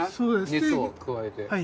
熱を加えて。